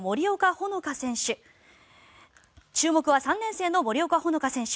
注目は３年生の森岡ほのか選手。